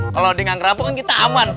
kalo dia nggak kerampok kan kita aman